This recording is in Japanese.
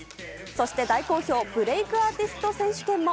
そして大好評、ブレイクアーティスト選手権も。